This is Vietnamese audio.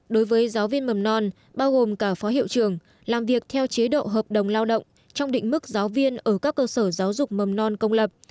đối với giáo viên mầm non bao gồm cả phó hiệu trường làm việc theo chế độ hợp đồng lao động trong định mức giáo viên ở các cơ sở giáo dục mầm non công lập